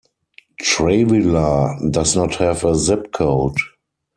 Travilah does not have a zip code.